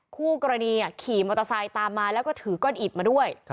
คู่กรณีขี่มอเตอร์ไซค์ตามมาแล้วก็ถือก้อนอิดมาด้วย